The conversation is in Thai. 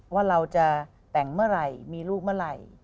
ว่าเราจะแต่งเมื่อไหร่มีลูกเมื่อไหร่